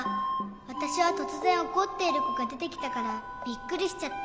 わたしはとつぜんおこっているこがでてきたからびっくりしちゃって。